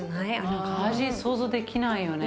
味想像できないよね。